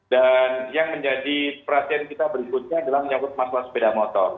yang menjadi perhatian kita berikutnya adalah menyangkut masalah sepeda motor